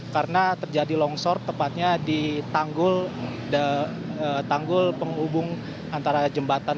karena terjadi longsor tepatnya di tanggul penghubung antara jembatan